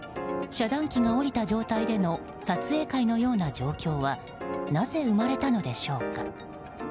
遮断機が下りた状態での撮影会のような状況はなぜ生まれたのでしょうか。